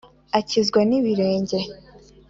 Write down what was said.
Akizwa n'ibirenge